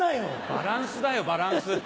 バランスだよバランス。